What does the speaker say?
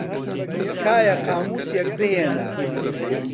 تکایە قامووسێک بھێنن.